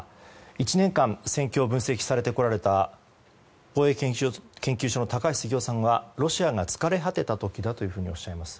１年間戦況を分析されてこられた防衛研究所の高橋杉雄さんはロシアが疲れ果てた時だとおっしゃいます。